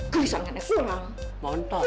gulisan kamu tuh menang mencang